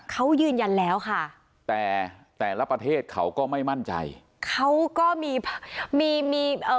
เขายืนยันแล้วค่ะแต่แต่ละประเทศเขาก็ไม่มั่นใจเขาก็มีมีเอ่อ